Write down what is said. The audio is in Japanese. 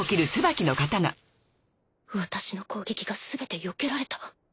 私の攻撃がすべて避けられた